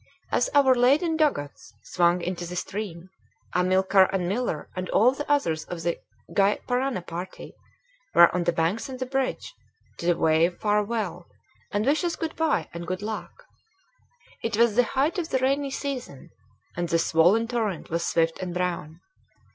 As our laden dugouts swung into the stream, Amilcar and Miller and all the others of the Gy Parana party were on the banks and the bridge to wave farewell and wish us good by and good luck. It was the height of the rainy season, and the swollen torrent was swift and brown.